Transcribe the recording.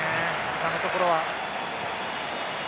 今のところは。